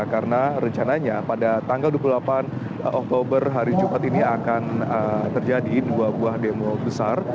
karena rencananya pada tanggal dua puluh delapan oktober hari jumat ini akan terjadi dua buah demo besar